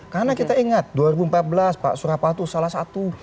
karena kita ingat dua ribu empat belas pak surya palu salah satu